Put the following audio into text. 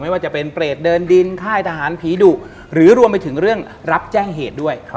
ว่าจะเป็นเปรตเดินดินค่ายทหารผีดุหรือรวมไปถึงเรื่องรับแจ้งเหตุด้วย